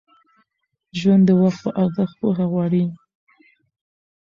ژوند د وخت په ارزښت پوهه غواړي.